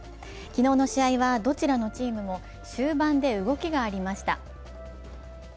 昨日の試合は、どちらのチームも終盤で動きがありました。